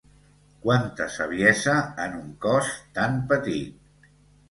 Quanta saviesa en un cos tan petit!